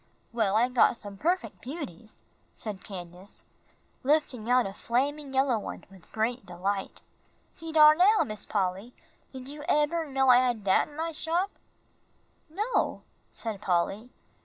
"Well, I got some perfec' beauties," said Candace, lifting out a flaming yellow one with great delight. "See dar now, Miss Polly, did you eber know I had dat in my shop?" "No," said Polly.